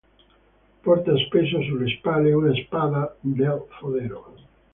Porta spesso sulle spalle una spada nel fodero.